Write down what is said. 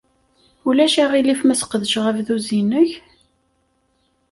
Ulac aɣilif ma sqedceɣ abduz-nnek?